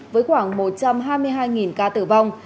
với khoảng một trăm hai mươi hai ca tử vong